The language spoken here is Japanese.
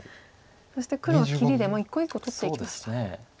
そして黒は切りでもう一個一個取っていきました。